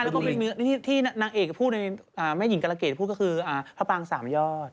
แล้วก็ที่นางเอกพูดในแม่หญิงกรเกตพูดก็คือพระปางสามยอด